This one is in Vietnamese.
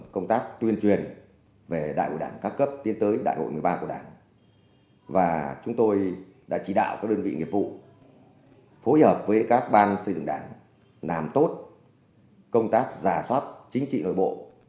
công tác xây dựng đảng làm tốt công tác giả soát chính trị nội bộ